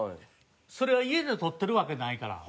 それは家で取ってるわけないから。